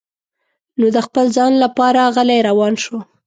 نو د خپل ځان لپاره غلی روان شو.